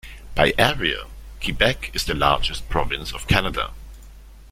By area, Quebec is the largest province of Canada.